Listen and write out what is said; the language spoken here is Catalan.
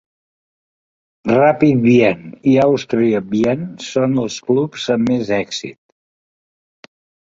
Rapid Wien i Austria Wien són els clubs amb més èxit.